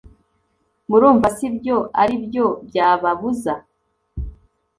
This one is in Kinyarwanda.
murumva se ibyo ari byo byababuza